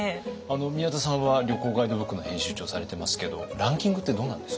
宮田さんは旅行ガイドブックの編集長をされてますけどランキングってどうなんですか？